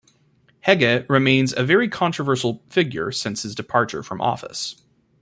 Hege remains a very controversial figure since his departure from office.